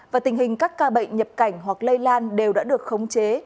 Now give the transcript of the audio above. và tình hình các ca bệnh nhập cảnh hoặc lây lan đều đã được khống chế